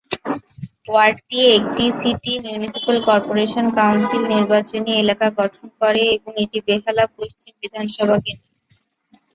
ওয়ার্ডটি একটি city municipal corporation council নির্বাচনী এলাকা গঠন করে এবং এটি বেহালা পশ্চিম বিধানসভা কেন্দ্র